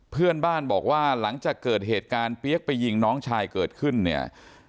เพื่อนบ้านบอกว่าหลังจากเกิดเหตุการณ์เปี๊ยกไปยิงน้องชายเกิดขึ้นเนี่ย